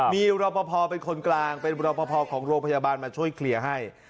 มีรอปภเป็นคนกลางเป็นรอปภของโรงพยาบาลมาช่วยเคลียร์ให้